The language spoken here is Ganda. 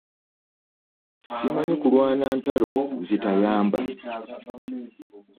Ssimanyi kulwana ntalo zitayamba.